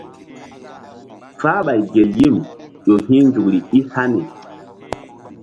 Fáhɓay gel yim ƴo hi̧ nzukri i hani.